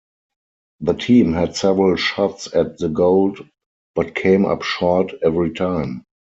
The team had several shots at the gold but came up short every time.